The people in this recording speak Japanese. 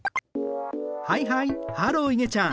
はいはいハローいげちゃん。